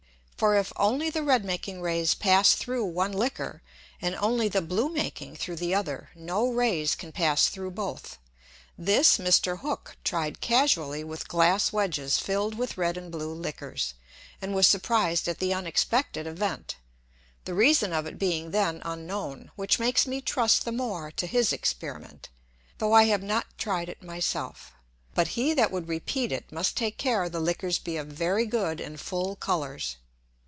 For, if only the red making Rays pass through one Liquor, and only the blue making through the other, no Rays can pass through both. This Mr. Hook tried casually with Glass Wedges filled with red and blue Liquors, and was surprized at the unexpected Event, the reason of it being then unknown; which makes me trust the more to his Experiment, though I have not tried it my self. But he that would repeat it, must take care the Liquors be of very good and full Colours.